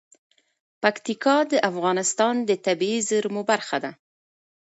پکتیکا د افغانستان د طبیعي زیرمو برخه ده.